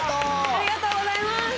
ありがとうございます。